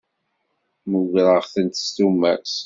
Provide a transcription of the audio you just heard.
Mmugreɣ-tent s tumert.